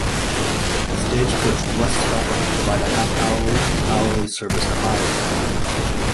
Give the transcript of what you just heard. Stagecoach West Scotland provide a half-hourly to hourly service to Ayr.